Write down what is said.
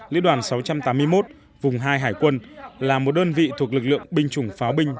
lữ đoàn sáu trăm tám mươi một vùng hai hải quân là một đơn vị thuộc lực lượng binh chủng pháo binh